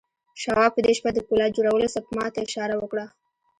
شواب په دې شپه د پولاد جوړولو سپما ته اشاره وکړه